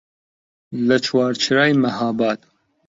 لە چوارچرای مەهاباد